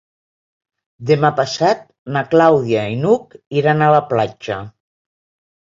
Demà passat na Clàudia i n'Hug iran a la platja.